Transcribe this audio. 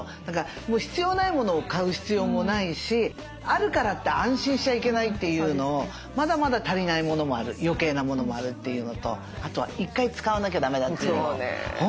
必要ないものを買う必要もないしあるからって安心しちゃいけないというのをまだまだ足りないものもあるよけいなものもあるっていうのとあとは１回使わなきゃだめだというのを本当勉強になりました。